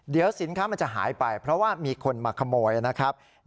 เดี๋ยวสินค้ามันจะหายไปเพราะว่ามีคนมาขโมยนะครับ